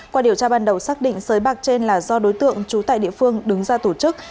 qua điều tra ban đầu xác định sới bạc trên là do đối tượng trú tại địa phương đứng ra tổ chức